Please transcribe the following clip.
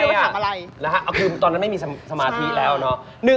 พิดได้ยังไงน่ะคือตอนนั้นไม่มีสมธิแล้วนะ